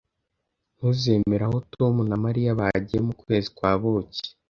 Ntuzemera aho Tom na Mariya bagiye mu kwezi kwa buki